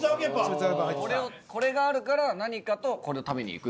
これがあるから何かとこれを食べに行くっていう。